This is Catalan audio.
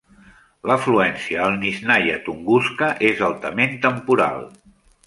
L'afluència al "Nizhnyaya Tunguska" és altament temporal.